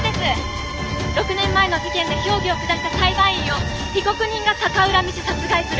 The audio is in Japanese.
６年前の事件で評議を下した裁判員を被告人が逆恨みし殺害する。